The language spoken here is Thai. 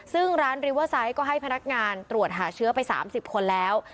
ซึ่งร้านริเวอร์ไซต์ก็ให้พนักงานตรวจหาเชื้อไป๓๐คนแล้ว